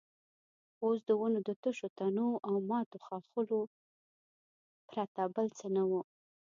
اوس د ونو د تشو تنو او ماتو ښاخلو پرته بل څه نه وو.